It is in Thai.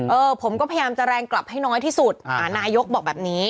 เออผมก็พยายามจะแรงกลับให้น้อยที่สุดอ่านายกบอกแบบนี้